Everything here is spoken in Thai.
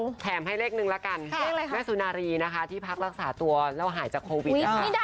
สิฉันแถมให้เลขหนึ่งละกันแม่สุนารีนะคะที่พักรักษาตัวแล้วหายจากโควิดนะคะ